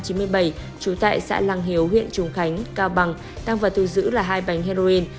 trụ tại xã lăng hiếu huyện trùng khánh cao bằng tăng vào tư giữ là hai bánh heroin